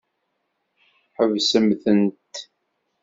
Ḥebsemt-tent.